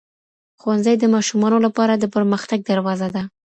ښوونځی د ماشومانو لپاره د پرمختګ دروازه ده.